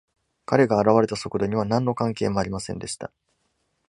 彼が現れた速度には何の関係もありませんでした。